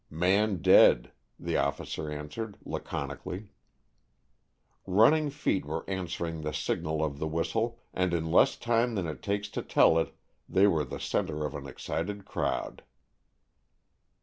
"Man dead," the officer answered laconically. Running feet were answering the signal of the whistle, and in less time than it takes to tell it, they were the center of an excited crowd.